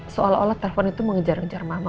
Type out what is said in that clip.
seolah olah telpon itu mengejar ngejar mama